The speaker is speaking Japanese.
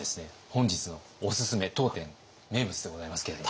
本日のおすすめ当店名物でございますけれども。